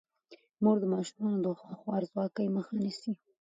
مور د ماشومانو د خوارځواکۍ مخه نیسي.